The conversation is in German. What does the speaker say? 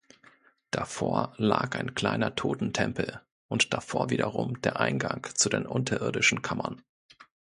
Davor lag ein kleiner Totentempel und davor wiederum der Eingang zu den unterirdischen Kammern.